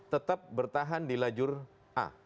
tetap bertahan di lajur a